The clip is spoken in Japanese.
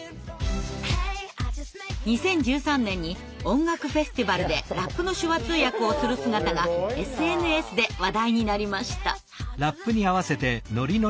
２０１３年に音楽フェスティバルでラップの手話通訳をする姿がＳＮＳで話題になりました。